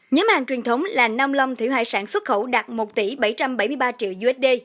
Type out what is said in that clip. nhóm hàng truyền thống là nam long thiểu hải sản xuất khẩu đạt một bảy trăm bảy mươi ba tỷ usd